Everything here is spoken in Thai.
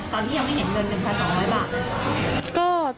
ตอนที่ยังไม่เห็นเงิน๑๒๐๐บาท